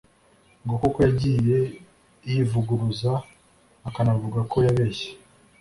ngo kuko yagiye yivuguruza akanavuga ko yabeshye